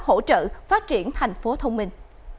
hỗ trợ phát triển thành phố thông minh